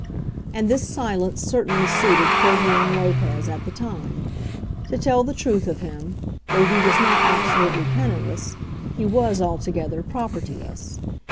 And this silence certainly suited Ferdinand Lopez at the time. To tell the truth of him, though he was not absolutely penniless, he was altogether propertyless.